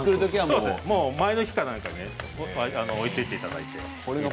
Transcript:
もう前の日か何かにね置いておいていただいて。